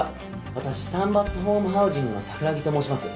私サンバスホームハウジングの桜木と申します。